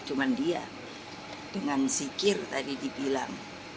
cuma dia dengan sikir tadi dibilang